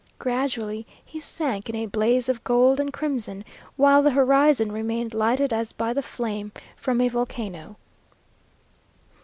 Gradually he sank in a blaze of gold and crimson, while the horizon remained lighted as by the flame from a volcano.